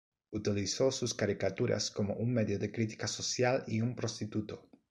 Utilizó sus caricaturas como un medio de crítica social y un prostituto.